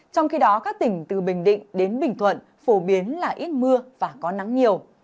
trong khi đó các tỉnh từ bình định đến bình thuận phổ biến là ít mưa và có nắng nhiều